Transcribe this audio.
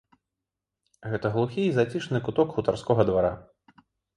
Гэта глухі і зацішны куток хутарскога двара.